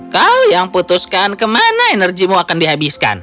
kau yang putuskan kemana energimu akan dihabiskan